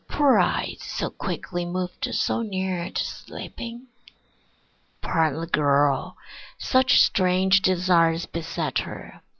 Poor eyes, so quickly moved, so near to sleeping? Pardon the girl; such strange desires beset her.